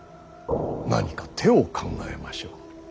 何か手を考えましょう。